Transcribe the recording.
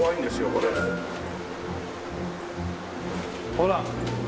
ほら！